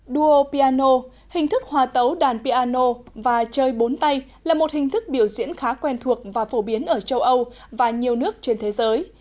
duo piano hình thức hòa tấu đàn piano và chơi bốn tay là một hình thức biểu diễn khá quen thuộc và phổ biến ở châu âu và nhiều nước trên thế giới